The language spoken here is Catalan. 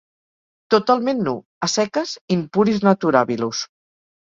Totalment nu. A seques. "In puris naturabilus"